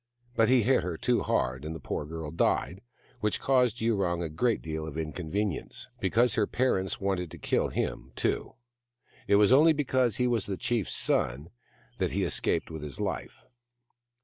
But he hit too hard, and the poor girl died — which caused Yurong a great deal of inconvenience, because her parents wanted to kill him too. It was only because he was the chief's son that he escaped with his life.